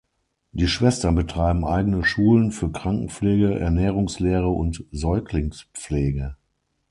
Die Schwestern betreiben eigene Schulen für Krankenpflege, Ernährungslehre und Säuglingspflege.